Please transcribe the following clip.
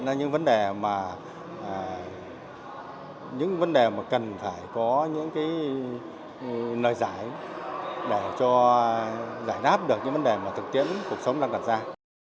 phát hiện những vấn đề mà cần phải có những cái nơi giải để cho giải đáp được những vấn đề mà thực tiễn cuộc sống đang đặt ra